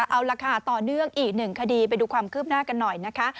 เอาล่ะค่ะต่อเนื่องอีกหนึ่งคดีไปดูความคืบหน้ากันหน่อยนะคะ